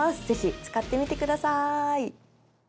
是非使ってみてください。